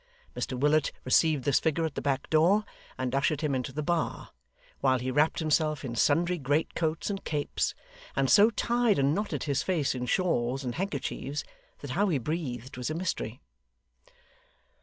Mr Willet received this figure at the back door, and ushered him into the bar, while he wrapped himself in sundry greatcoats and capes, and so tied and knotted his face in shawls and handkerchiefs, that how he breathed was a mystery.